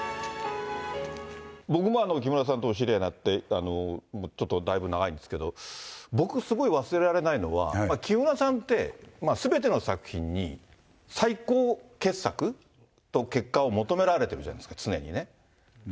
僕は木村さんとお知り合いになって、ちょっとだいぶ長いんですけど、僕、すごい忘れられないのは、木村さんって、すべての作品に、最高傑作と結果を求められてるじゃないですか、常にね。